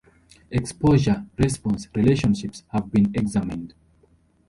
Exposure-response relationships have been examined.